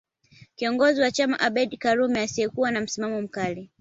Kiongozi wa chama Abeid Karume asiyekuwa na msimamo mkali